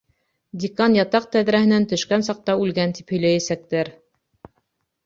Декан ятаҡ тәҙрәһенән төшкән саҡта үлгән, тип һөйләйәсәктәр!